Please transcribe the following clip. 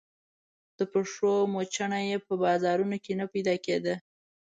د پښو موچڼه يې په بازارونو کې نه پيدا کېده.